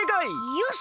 よし！